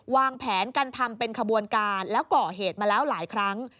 วางแผนการทำเป็นขบวนการแล้วก่อเหตุมาแล้วหลายครั้ง